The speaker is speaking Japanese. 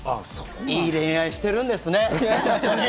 いい恋愛してるんですね。